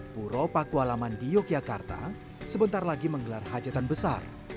puro pakualaman di yogyakarta sebentar lagi menggelar hajatan besar